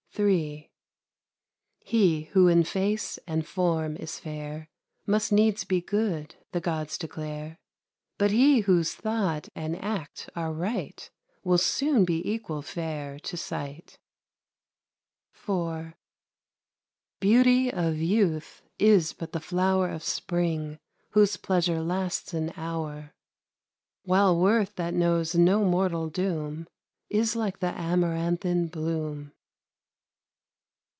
III He who in face and form is fair Must needs be good, the Gods declare; But he whose thought and act are right Will soon be equal fair to sight. IV Beauty of youth is but the flower Of spring, whose pleasure lasts an hour; While worth that knows no mortal doom Is like the amaranthine bloom.